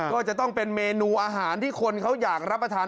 ก็จะต้องเป็นเมนูอาหารที่คนเขาอยากรับประทาน